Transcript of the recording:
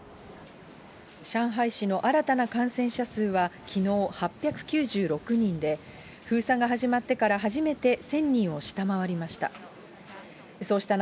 上海市の新たな感染者数はきのう８９６人で、封鎖が始まってから初めて１０００人を下回りました。